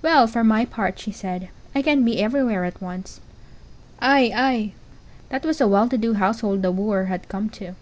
"Well! For my part, She said, I can't be everywhere at once." Aye! Aye! That was a well to do household the wooer had come to.